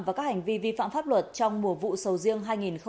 và các hành vi vi phạm pháp luật trong mùa vụ sầu riêng hai nghìn hai mươi